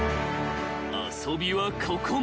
［遊びはここまで］